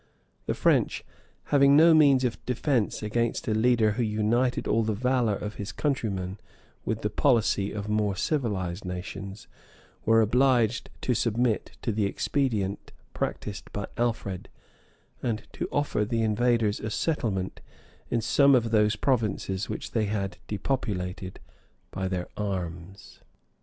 The French, having no means of defence against a leader who united all the valor of his countrymen with the policy of more civilized nations, were obliged to submit to the expedient practised by Alfred, and to offer the invaders a settlement in some of those provinces which they had depopulated by their arms.